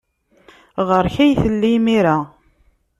Ɣer-k ay tella imir-a.